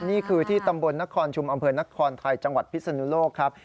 นี่คือที่ตำบลนครชุมอำเภอนครไทยจังหวัดพิศนุโลกครับ